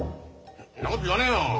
んなこと言わねえよ。